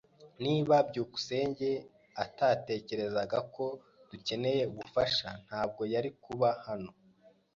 Niba byukusenge atatekerezaga ko dukeneye ubufasha, ntabwo yari kuba hano.